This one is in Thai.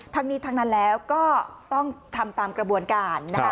ทั้งนี้ทั้งนั้นแล้วก็ต้องทำตามกระบวนการนะคะ